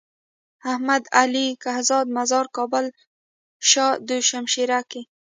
احمد علي کهزاد مزار کابل شاه دو شمشيره کي۔